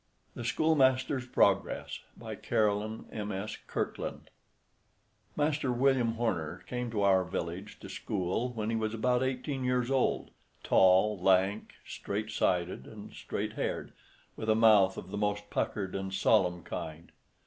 THE SCHOOLMASTER'S PROGRESS By Caroline M.S. Kirkland (1801–1864) Master William Horner came to our village to school when he was about eighteen years old: tall, lank, straight sided, and straight haired, with a mouth of the most puckered and solemn kind.